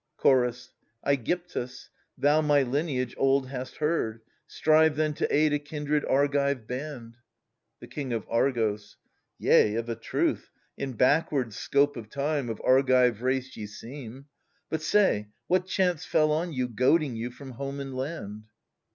Chorus. ^gyptus : thou my lineage old hast heard — Strive then to aid a kindred Argive band. The King of Argos. Yea of a truth, in backward scope of time, Of Argive race ye seem : but say what chance Fell on you, goading you from home and land